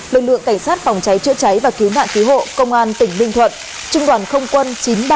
lực lượng cảnh sát phòng cháy chữa cháy và cứu nạn cứu hộ công an tỉnh ninh thuận trung đoàn không quân chín trăm ba mươi bảy